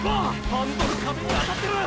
ハンドル壁に当たってる！！